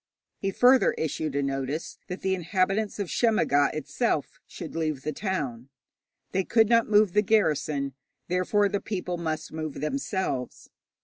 He further issued a notice that the inhabitants of Shemmaga itself should leave the town. They could not move the garrison, therefore the people must move themselves.